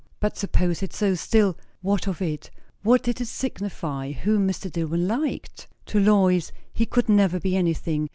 But suppose it so; still, what of it? What did it signify, whom Mr. Dillwyn liked? to Lois he could never be anything.